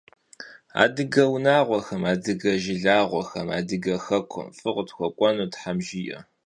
Adıge vunağuexem, adıge jjılağuexem, adıge xekum f'ı khıtxuek'uenu them jji'e!